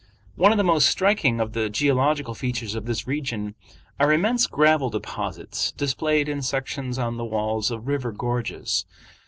One of the most striking of the geological features of this region are immense gravel deposits displayed in sections on the walls of the river gorges.